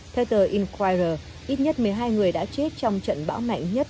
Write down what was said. theo tờ inpire ít nhất một mươi hai người đã chết trong trận bão mạnh nhất